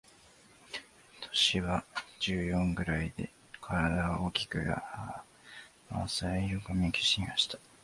年は十四ぐらいで、体は大きく亜麻色の髪の毛をしていました。